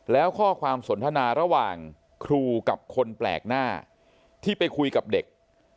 แล้วข้อความสนทนาระหว่างครูกับคนแปลกหน้าที่ไปคุยกับเด็ก